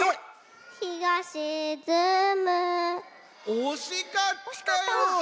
おしかったよ。